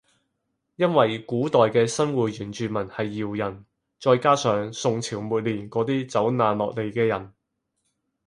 因為古代嘅新會原住民係瑤人再加上宋朝末年嗰啲走難落嚟嘅人